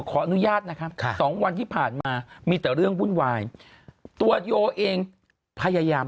ขออนุญาตนะครับสองวันที่ผ่านมามีแต่เรื่องวุ่นวายตัวโยเองพยายาม